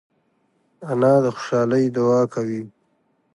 انا د خوشحالۍ دعا کوي